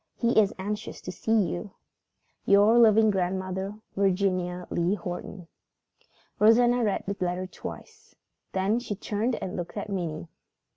He is anxious to see you. "Your loving grandmother, "VIRGINIA LEE HORTON." Rosanna read the letter twice. Then she turned and looked at Minnie.